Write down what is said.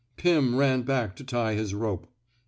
" Pim ran back to tie his rope.